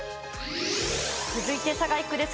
続いて佐賀１区です。